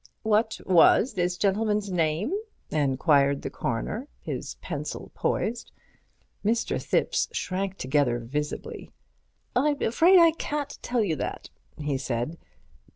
"What was this gentleman's name?" enquired the Coroner, his pencil poised. Mr. Thipps shrank together visibly. "I'm afraid I can't tell you that," he said.